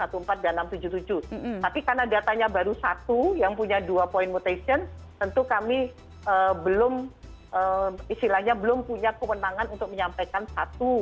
tapi karena datanya baru satu yang punya dua point mutation tentu kami belum istilahnya belum punya kewenangan untuk menyampaikan satu